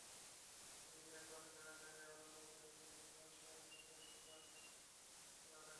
নিজেদের একটা অনুশীলনের জায়গার জন্য দীর্ঘদিন থেকেই দুয়ারে দুয়ারে ঘুরছেন স্কোয়াশ খেলোয়াড়েরা।